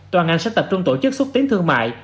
toàn ngành sẽ tập trung tổ chức xúc tiến thương mại